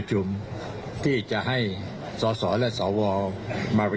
จะเรียบร้อยเกิดเข้าพรวจด้วยสถานการณ์